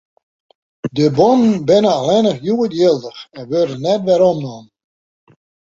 De bonnen binne allinnich hjoed jildich en wurde net weromnommen.